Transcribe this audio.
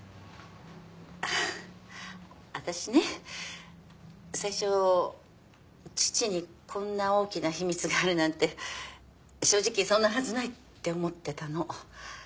私ね最初父にこんな大きな秘密があるなんて正直そんなはずないって思ってたの。